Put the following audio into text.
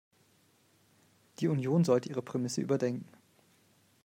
Die Union sollte ihre Prämisse überdenken.